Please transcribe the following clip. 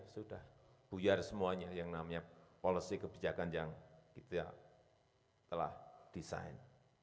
sudah buyar semuanya yang namanya policy kebijakan yang kita telah desain